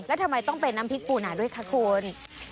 แล้วทำไมต้องเป็นน้ำพริกปูหนาด้วยคะคุณ